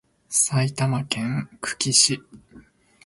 埼玉県久喜市